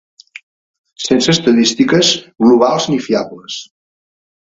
Sense estadístiques globals ni fiables.